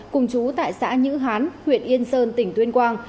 cùng chú tại xã nhữ hán huyện yên sơn tỉnh tuyên quang